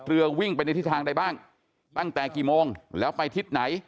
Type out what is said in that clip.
เรือวิ่งไปในทิศทางใดบ้างตั้งแต่กี่โมงแล้วไปทิศไหน